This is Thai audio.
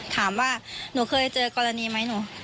ถามว่าหนูเคยเจอกรณีไหมหนู